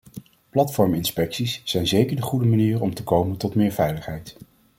Platforminspecties zijn zeker de goede manier om te komen tot meer veiligheid.